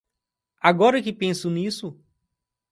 Agora que penso nisso.